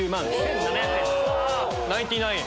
ナインティナイン！